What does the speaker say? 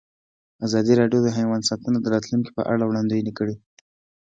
ازادي راډیو د حیوان ساتنه د راتلونکې په اړه وړاندوینې کړې.